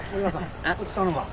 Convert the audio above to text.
こっち頼むわ。